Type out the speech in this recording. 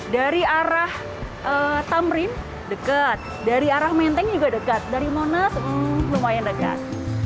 dari arah tamrin dekat dari arah menteng juga dekat dari monas lumayan dekat